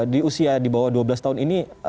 di usia di bawah dua belas tahun ini